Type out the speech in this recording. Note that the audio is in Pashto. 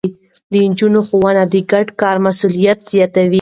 د نجونو ښوونه د ګډ کار مسووليت زياتوي.